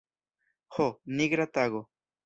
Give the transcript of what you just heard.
Ho, nigra tago!